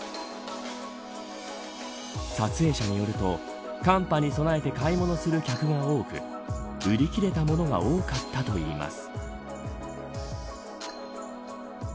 撮影者によると寒波に備えて買い物する客が多く売り切れたものが多かったといいます。